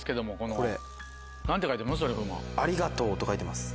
「ありがとう」と書いてます。